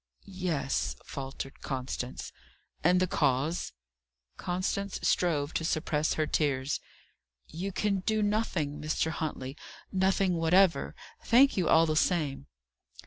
"Yes," faltered Constance. "And the cause?" Constance strove to suppress her tears. "You can do nothing, Mr. Huntley; nothing whatever. Thank you all the same."